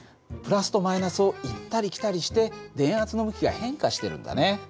プラスとマイナスを行ったり来たりして電圧の向きが変化してるんだね。